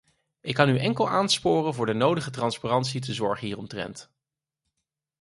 Ik kan u enkel aansporen voor de nodige transparantie te zorgen hieromtrent.